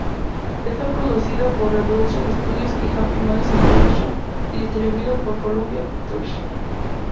Está producida por Revolution Studios y Happy Madison Productions y distribuida por Columbia Pictures.